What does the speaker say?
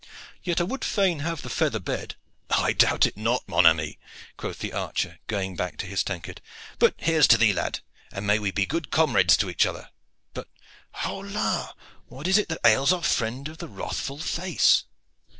Yet I would fain have had the feather bed." "I doubt it not, mon ami," quoth the archer, going back to his tankard. "Here is to thee, lad, and may we be good comrades to each other! But, hola! what is it that ails our friend of the wrathful face?"